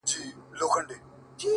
د وطن گل بوټي و نه مري له تندې”